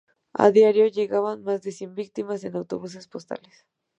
A diario llegaban más de cien víctimas en autobuses-postales.